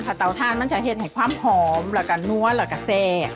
เพราะเต่าทานเขาก็จะเห็นความหอมแล้วก็นั้วแล้วก็แหง